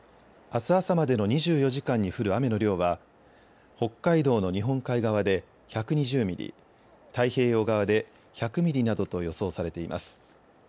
あす朝までの２４時間に降る雨の量は北海道の日本海側で１２０ミリ、太平洋側で１００ミリなどと予想されています。